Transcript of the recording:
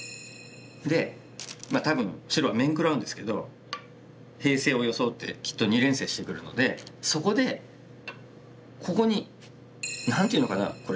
で多分白は面食らうんですけど平静を装ってきっと二連星してくるのでそこでここに何て言うのかなこれ。